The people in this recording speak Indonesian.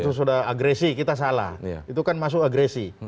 itu sudah agresi kita salah itu kan masuk agresi